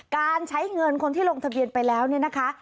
การใช้เงินคนที่ลงทะเบียนไปแล้วเนี่ยนะคะ